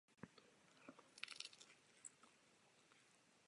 Brooklyn byl nyní připraven zapojit se do stále většího procesu slučování v regionu.